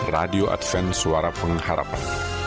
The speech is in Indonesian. radio advent suara pengharapan